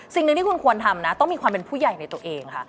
สิ่งหนึ่งที่คุณควรทำนะต้องมีความเป็นผู้ใหญ่ในตัวเองค่ะ